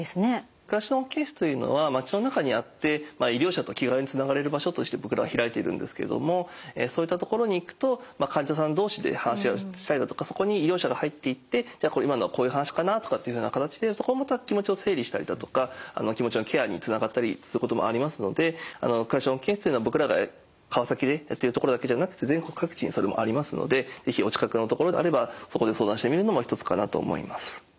暮らしの保健室というのは町の中にあって医療者と気軽につながれる場所として僕らは開いているんですけどもそういった所に行くと患者さん同士で話をしたりだとかそこに医療者が入っていって今のはこういう話かなとかっていうふうな形でそこもまた気持ちを整理したりだとか気持ちのケアにつながったりすることもありますので暮らしの保健室のような僕らが川崎でやってる所だけじゃなくて全国各地にそれもありますので是非お近くの所であればそこで相談してみるのも一つかなと思います。